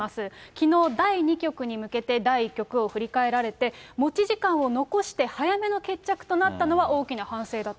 きのう、第２局に向けて第１局を振り返られて、持ち時間を残して早めの決着となったのは大きな反省だと。